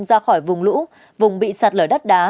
ra khỏi vùng lũ vùng bị sạt lở đất đá